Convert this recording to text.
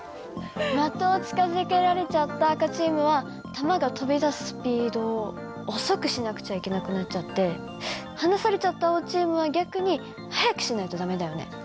的を近づけられちゃった赤チームは玉が飛び出すスピードを遅くしなくちゃいけなくなっちゃって離されちゃった青チームは逆に速くしないと駄目だよね。